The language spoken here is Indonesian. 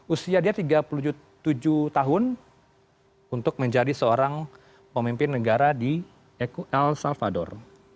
usia dia tiga puluh tujuh tahun untuk menjadi seorang pemimpin negara di el salvador